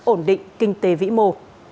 ổn định kinh tế vĩ mô